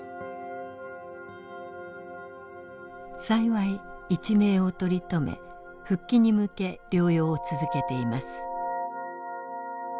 幸い一命を取り留め復帰に向け療養を続けています。